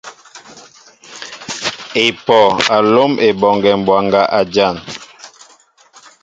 Epoh a lóm Eboŋgue bwaŋga a jan.